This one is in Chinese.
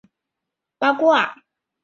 八卦完毕，开勋！